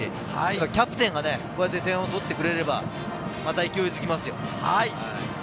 キャプテンが点を取ってくれれば勢いづきますよ。